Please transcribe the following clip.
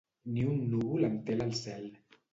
Ni un núvol entela el cel.